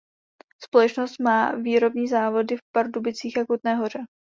Společnost má výrobní závody v Pardubicích a Kutné Hoře.